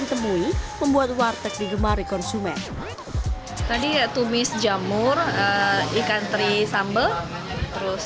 ditemui membuat warteg digemari konsumen tadi tubis jamur ikan teri sambal terus